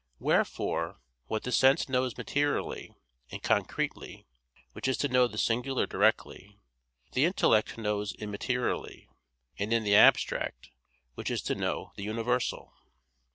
Wherefore what the sense knows materially and concretely, which is to know the singular directly, the intellect knows immaterially and in the abstract, which is to know the universal.